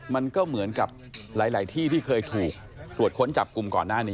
มันก็เหมือนกับหลายที่ที่เคยถูกตรวจค้นจับกลุ่มก่อนหน้านี้